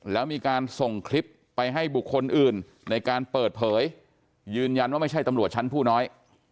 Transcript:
แล้วมีการส่งคลิปไปให้บุคคลอื่นในการเปิดเผยยืนยันว่าไม่ใช่ตำรวจชั้นผู้น้อย